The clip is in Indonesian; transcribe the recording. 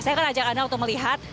saya akan ajak anda untuk melihat